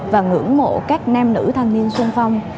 và ngưỡng mộ các nam nữ thanh niên sung phong